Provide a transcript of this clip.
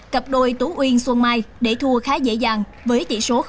cặp đôi tú uyên xuân mai để thua khá dễ dàng với tỷ số tám